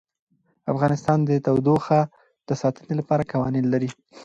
افغانستان د تودوخه د ساتنې لپاره قوانین لري.